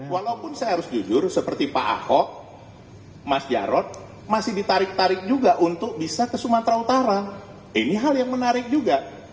walaupun saya harus jujur seperti pak ahok mas jarod masih ditarik tarik juga untuk bisa ke sumatera utara ini hal yang menarik juga